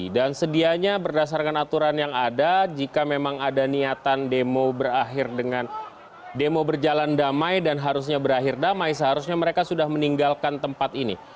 dan sedianya berdasarkan aturan yang ada jika memang ada niatan demo berjalan damai dan harusnya berakhir damai seharusnya mereka sudah meninggalkan tempat ini